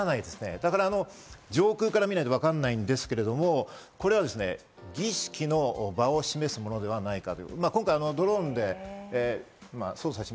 だから上空から見ないとわからないですけれども、これは儀式の場を示すものではないかと。